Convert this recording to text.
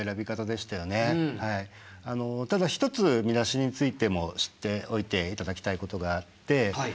ただ一つ見出しについても知っておいていただきたいことがあって。